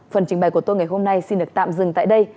phần trình bày của tôi ngày hôm nay xin được tạm dừng tại đây